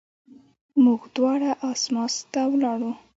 موږ دواړه اسماس ته ولاړو.